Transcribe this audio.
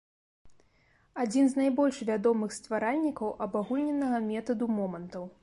Адзін з найбольш вядомых стваральнікаў абагульненага метаду момантаў.